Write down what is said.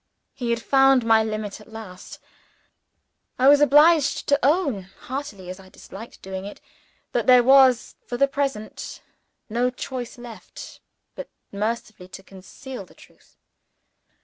He had found my limit at last. I was obliged to own (heartily as I disliked doing it) that there was, for the present, no choice left but mercifully to conceal the truth.